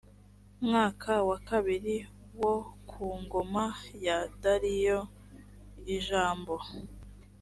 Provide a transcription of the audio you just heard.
mwaka wa kabiri wo ku ngoma ya dariyo ijambo